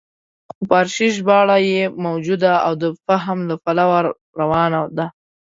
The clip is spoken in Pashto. خو فارسي ژباړه یې موجوده او د فهم له پلوه روانه ده.